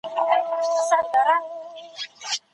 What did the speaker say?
تاریخ، فلسفه، دینپوهنه او ادبیات ټولنې ته اړتیا لري.